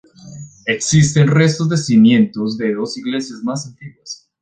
Existen restos de cimientos de dos iglesias más antiguas.